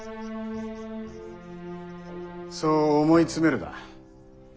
そう思い詰めるな。